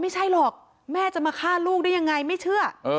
ไม่ใช่หรอกแม่จะมาฆ่าลูกได้ยังไงไม่เชื่อ